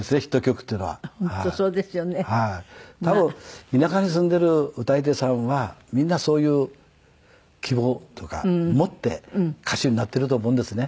多分田舎に住んでいる歌い手さんはみんなそういう希望とか持って歌手になっていると思うんですね。